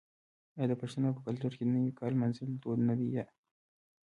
آیا د پښتنو په کلتور کې د نوي کال لمانځل دود نه دی؟